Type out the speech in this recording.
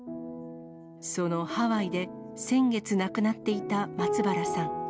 そのハワイで、先月亡くなっていた松原さん。